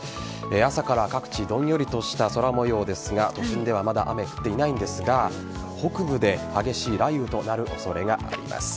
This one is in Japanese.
朝から各地どんよりとした空模様ですが都心ではまだ雨降っていないんですが北部で激しい雷雨となる恐れがあります。